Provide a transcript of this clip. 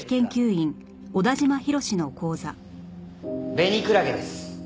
ベニクラゲです。